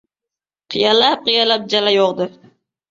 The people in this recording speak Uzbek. Qiyalab-qiyalab jala yog‘di.